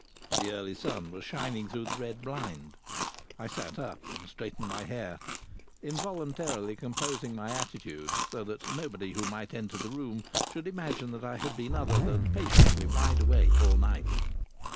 The early sun was shining through the red blind. I sat up and straightened my hair, involuntarily composing my attitude so that nobody who might enter the room should imagine that I had been other than patiently wide awake all night.